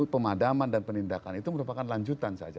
pemadaman dan penindakan itu merupakan lanjutan saja